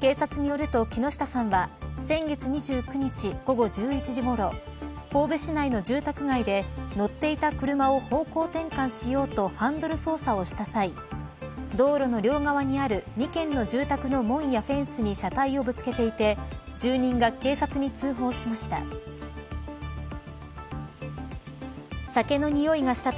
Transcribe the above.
警察によると木下さんは先月２９日午後１１時ごろ神戸市内の住宅街で乗っていた車を方向転換しようとハンドル操作をした際道路の両側にある２軒の住宅の門やフェンスに車体をぶつけていて住人が警察に通報しました。